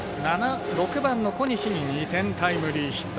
６番小西に２点タイムリーヒット。